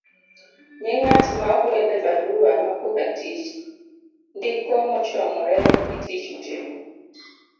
nying ng'at ma ogwel e barua makoka tich ndiko mochomore gi tich motimo